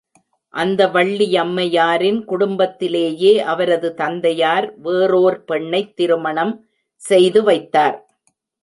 அந்த வள்ளியம்மையாரின் குடும்பத்திலேயே அவரது தந்தையார் வேறோர் பெண்ணைத் திருமணம் செய்து வைத்தார்.